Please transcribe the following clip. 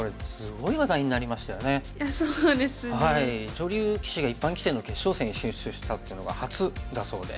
女流棋士が一般棋戦の決勝戦に進出したっていうのが初だそうで。